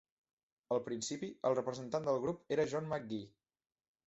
Al principi, el representant del grup era John MacGee.